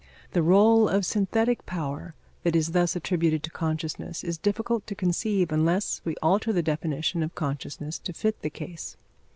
The rôle of synthetic power that is thus attributed to consciousness is difficult to conceive unless we alter the definition of consciousness to fit the case.